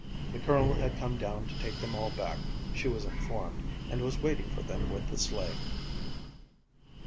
The Colonel had come down to take them all back, she was informed, and was waiting for them with the sleigh.